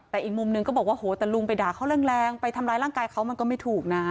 แต่อีกมุมหนึ่งก็บอกว่าโหแต่ลุงไปด่าเขาแรงไปทำร้ายร่างกายเขามันก็ไม่ถูกนะ